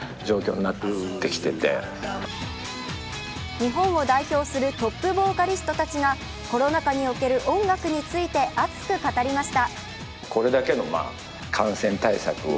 日本を代表するトップボーカリストたちがコロナ禍における音楽について熱く語りました。